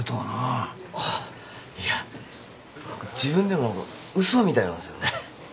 あっいや何か自分でも嘘みたいなんすよね。